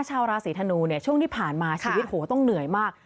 ชาวราศีธนูเนี่ยช่วงที่ผ่านมาชีวิตโหต้องเหนื่อยมาก